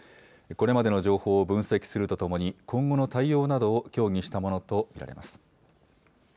これまでの情報を分析するとともに今後の対応などを協議したものと見られます。